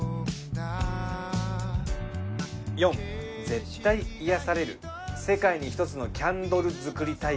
「４絶対癒やされる世界に一つのキャンドル作り体験」